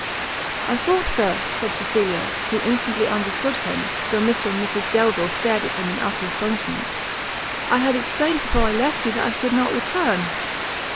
"I thought, Sir," said Cecilia, who instantly understood him, though Mr and Mrs Delvile stared at him in utter astonishment, "I had explained before I left you that I should not return."